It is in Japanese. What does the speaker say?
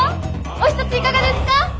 お一ついかがですか？